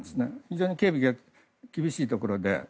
非常に警備が厳しいところで